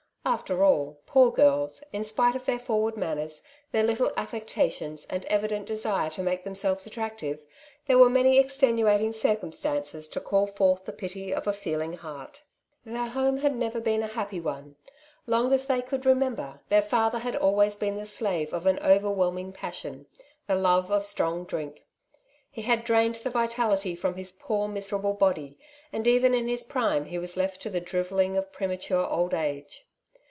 After all, poor girls, in spite of their forward manners, their little affectations, and evident desire to make themselves attractive, there were many extenuating circumstances to call forth the pity ol a feeling heart. Their home had never been a happy one. Long as they could remember, their father had always been the slave of an overwhehning passion — the love of strong drink. He had drained the vitality from his poor, miserable body, and even in his prime he was left to the drivelling of prema ture old age.